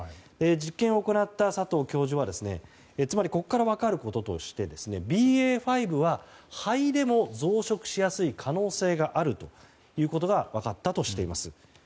実験を行った佐藤教授はつまりここから分かることとしてＢＡ．５は肺でも増殖しやすい可能性があるということが分かったとしています。